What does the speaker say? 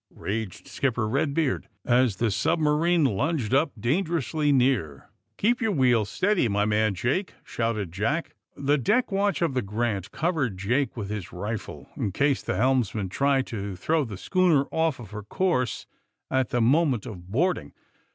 raged Skipper Eedbeard, as the submarine lunged up dangerously near. '^Keep your wheel steady, my man Jake!" shouted Jack. The deck watch of the * Grant' covered Jake with his rifle, in case the helmsman tried to throw the schooner off of her course at the mo ment of boarding.